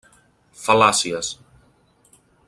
Fal·làcies: